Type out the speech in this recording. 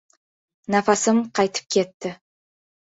Nafasim qaytib ketdi.